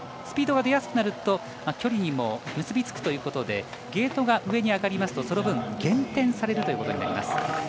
スピードが出やすくなると距離にも結びつくということでゲートが上に上がりますとその分減点されることになります。